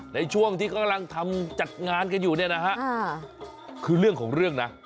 ในช่วงที่กำลังทำจัดงานกันอยู่เนี่ยนะฮะคือเรื่องของเรื่องนะ